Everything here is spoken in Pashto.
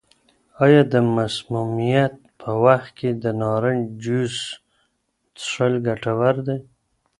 آیا د مسمومیت په وخت کې د نارنج جوس څښل ګټور دي؟